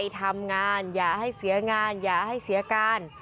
ทำงานอย่าให้เสียงานอย่าให้เสียการ